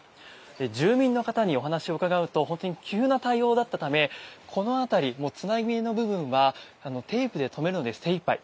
住民の方にお話を伺うと本当に急な対応だったためこの辺り、つなぎ目の部分はテープで止めるので精いっぱい。